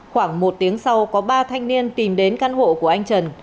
khoảng một tiếng sau có ba thanh niên tìm đến căn hộ của anh trần